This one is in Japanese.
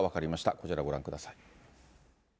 こちらご覧ください。